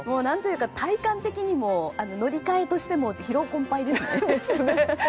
体感的にも乗り換えとしても疲労困ぱいですね。